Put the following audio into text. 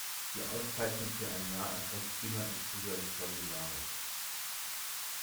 Die Auszeichnung für ein Jahr erfolgt immer im Frühjahr des Folgejahres.